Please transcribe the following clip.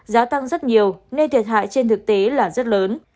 giá tăng rất nhiều nên thiệt hại trên thực tế là rất lớn